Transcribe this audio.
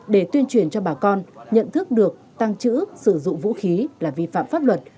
để tuyên truyền cho bà con nhận thức được tăng trữ sử dụng vũ khí là vi phạm pháp luật